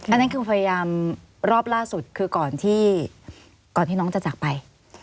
อันนั้นคือพยายามรอบล่าสุดคือก่อนที่ก่อนที่น้องจะจากไป